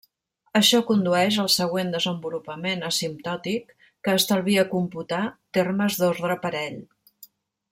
Això condueix al següent desenvolupament asimptòtic, que estalvia computar termes d'ordre parell.